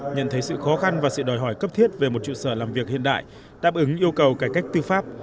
nhận thấy sự khó khăn và sự đòi hỏi cấp thiết về một trụ sở làm việc hiện đại đáp ứng yêu cầu cải cách tư pháp